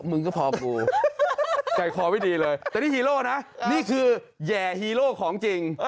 มึงก็พอกูใจคอไม่ดีเลยแต่นี่ฮีโร่นะนี่คือแห่ฮีโร่ของจริง